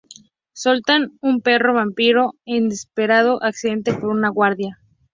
Zoltan, un perro vampiro, es despertado accidentalmente por un guardia.